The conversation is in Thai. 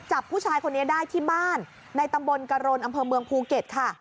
จับผู้ชายคนนี้ได้ที่บ้านในตำบลกรณอำเภอเมืองภูเก็ตค่ะ